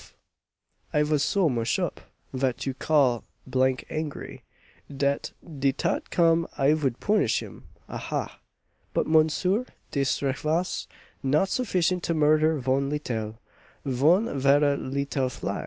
I vas so mush up vat you call d n angry, dat de taut come I vood punise him, ahah. But, monsieur, de strike vas not sufficient to murder von littel von vara littel fly!"